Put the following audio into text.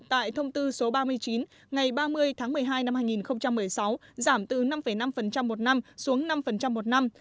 thư số ba mươi chín ngày ba mươi tháng một mươi hai năm hai nghìn một mươi sáu giảm từ năm năm một năm xuống năm một năm